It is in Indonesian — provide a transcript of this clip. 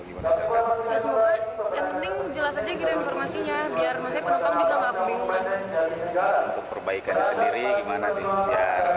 semoga yang penting jelas saja kita informasinya biar makanya penumpang juga gak kebingungan